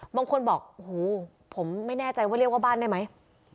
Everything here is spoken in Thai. บางคนบอกโอ้โหผมไม่แน่ใจว่าเรียกว่าบ้านได้ไหม